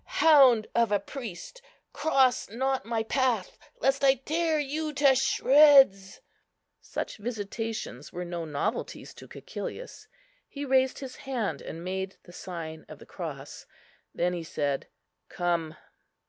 hound of a priest, cross not my path, lest I tear you to shreds!" Such visitations were no novelties to Cæcilius; he raised his hand and made the sign of the cross, then he said, "Come."